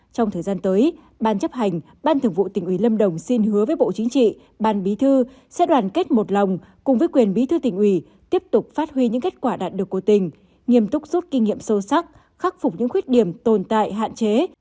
trong thời gian tới ban chấp hành ban thường vụ tỉnh ủy lâm đồng xin hứa với bộ chính trị ban bí thư sẽ đoàn kết một lòng cùng với quyền bí thư tỉnh ủy tiếp tục phát huy những kết quả đạt được của tỉnh nghiêm túc rút kinh nghiệm sâu sắc khắc phục những khuyết điểm tồn tại hạn chế